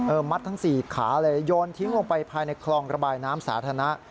มัดทั้งสี่ขาเลยโยนทิ้งลงไปภายในคลองระบายน้ำสาธารณะ